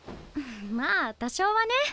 まあ多少はね。